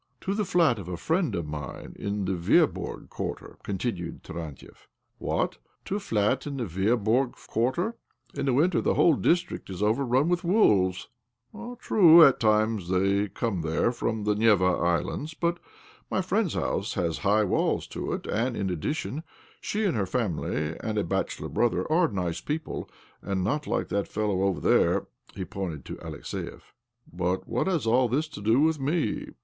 " To the flat of a friend of mine in the Veaborg Quarter," continued Tarantiev. " What ? To a flat in the Veaborg Quar ter? In winter the whole district is overrun with wolves !"'' The Veaborg Quarter is one of the most outlying suburbs of Petrograd. 54 OBLOMOV " True, at times they come there from the Neva Islands, but my friend's house has high walls to it, and, in addition, she atid her family and a bachelor brother are nice people, and not like that fellow over there." He pointed to Alexiev. " But what has all this to do with me?